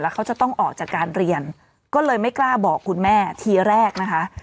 เขาจะต้องออกจากการเรียนก็เลยไม่กล้าบอกคุณแม่ทีแรกนะคะ